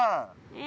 え？